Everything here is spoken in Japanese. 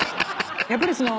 やっぱりその。